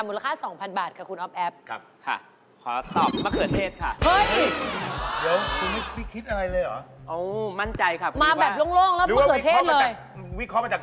อ๋อมั่นใจค่ะคุณคิดว่าหรือว่าวิเคราะห์มาจากตรงนู้นแรก